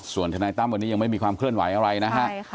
ส่วนทนายตั้มวันนี้ยังไม่มีความเคลื่อนไหวอะไรนะฮะ